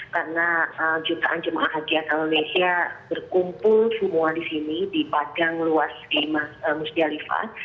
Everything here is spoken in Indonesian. karena jutaan jemaah haji asal malaysia berkumpul semua di sini di padang luas di musdalifah